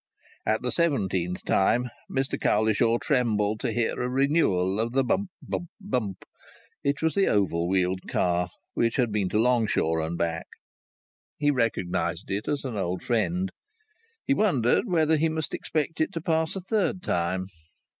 At the seventeenth time Mr Cowlishaw trembled to hear a renewal of the bump bump bump. It was the oval wheeled car, which had been to Longshaw and back. He recognized it as an old friend. He wondered whether he must expect it to pass a third time.